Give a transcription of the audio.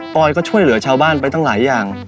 อยก็ช่วยเหลือชาวบ้านไปตั้งหลายอย่าง